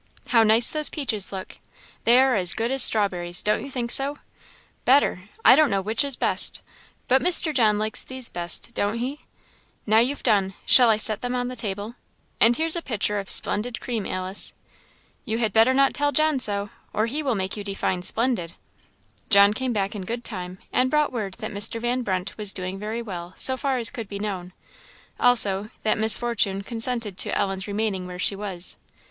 "How nice those peaches look! they are as good as strawberries don't you think so? better I don't know which is best but Mr. John likes these best, don't he? Now you've done shall I set them on the table? and here's a pitcher of splendid cream, Alice!" "You had better not tell John so, or he will make you define splendid." John came back in good time, and brought word that Mr. Van Brunt was doing very well, so far as could be known; also, that Miss Fortune consented to Ellen's remaining where she was.